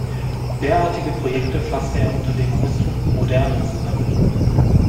Derartige Projekte fasste er unter dem Ausdruck „Moderne“ zusammen.